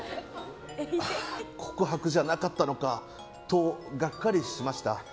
告白じゃなかったのかとがっかりしました。